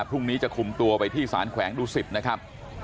พรุ่งนี้จะคุมตัวไปที่สารแขวงดุสิตนะครับ